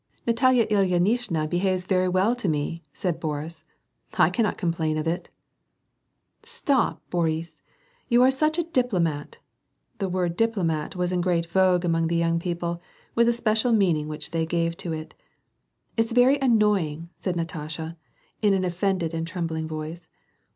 " Natalya Ilyinishna behaves very well to me," said Boris, "I cannot complain of it." "Stop, Boris, you are such a diplomat (the word * dip lomat ' was in great vogue among the young people, with a special meaning which they gave to it) ," It's very annoy ing," said Natasha, in an offended, trembling voice.